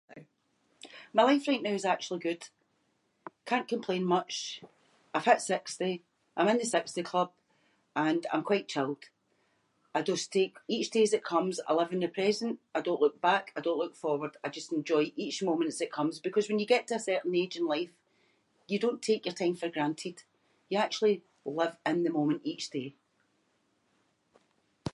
My life right now is actually good. Can’t complain much. I’ve hit sixty. I’m in the sixty club and I’m quite chilled. I just take each day as it comes. I live in the present. I don’t look back, I don’t look forward. I just enjoy each moment as it comes because when you get to a certain age in life you don’t take your time for granted. You actually live in the moment each day.